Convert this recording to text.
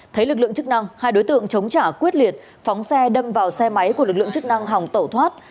thấy lực lượng chức năng hai đối tượng chống trả quyết liệt phóng xe đâm vào xe máy của lực lượng chức năng hòng tẩu thoát